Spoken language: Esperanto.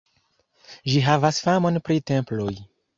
Ĝi havas famon pri temploj.